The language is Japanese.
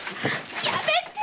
やめて！